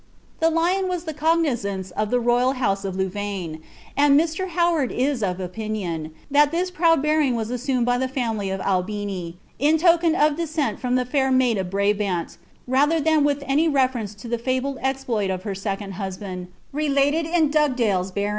The lion was the cogniionca d (lie royal house of Louvaine \ and Mr. Howard is of opinion, that lUi proud bearing was assumed by the family of Albioi, in token of detont from the fair maid of Brvbant, rather than with any reference to ibt lUiIeil exploit of her second hnaband, related in Dugdale's butmaM.